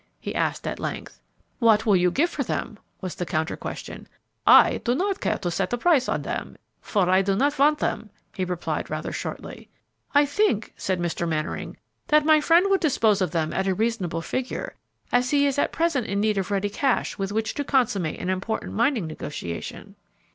he asked at length. "What will you give for them?" was the counter question. "I do not care to set a price on them, for I do not want them," he replied, rather shortly. "I think," said Mr. Mannering, "that my friend would dispose of them at a reasonable figure, as he is at present in need of ready cash with which to consummate an important mining negotiation."